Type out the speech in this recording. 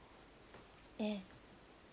ええ。